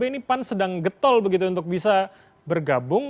ini pan sedang getol begitu untuk bisa bergabung